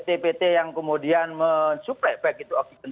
ya dari pt pt yang kemudian mensuplai baik itu oksigen tabung atau oksigen liquid